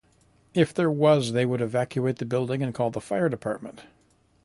If there was, they would evacuate the building and call the fire department.